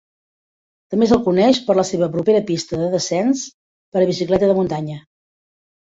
També se'l coneix per la seva propera pista de descens per a bicicleta de muntanya.